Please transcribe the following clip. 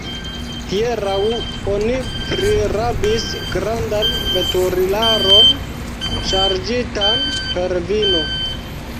Hieraŭ oni prirabis grandan veturilaron, ŝarĝitan per vino.